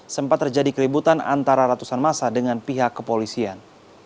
sempat terjadi keributan antara ratusan masa dengan pihak kepolisian